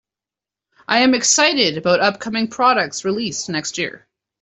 I am excited about upcoming products released next year.